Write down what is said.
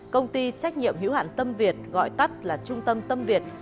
công ty trách nhiệm hữu hạn tâm việt gọi tắt là trung tâm tâm việt